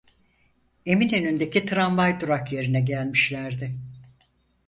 Eminönü’ndeki tramvay durak yerine gelmişlerdi.